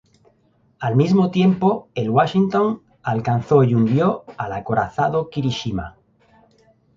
Al mismo tiempo el "Washington" alcanzó y hundió al acorazado "Kirishima".